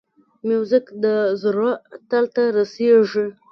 موزیک د زړه تل ته رسېږي.